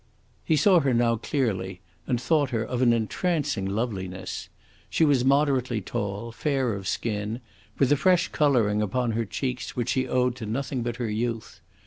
He saw her now clearly, and thought her of an entrancing loveliness. She was moderately tall, fair of skin, with a fresh colouring upon her cheeks which she owed to nothing but her youth.